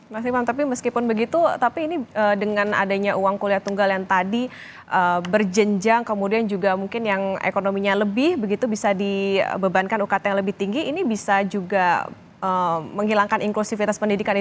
mas imam tapi meskipun begitu tapi ini dengan adanya uang kuliah tunggal yang tadi berjenjang kemudian juga mungkin yang ekonominya lebih begitu bisa dibebankan ukt yang lebih tinggi ini bisa juga menghilangkan inklusivitas pendidikan ini